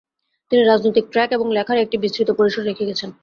তিনি রাজনৈতিক ট্র্যাক এবং লেখার একটি বিস্তৃত পরিসর রেখে গেছেন।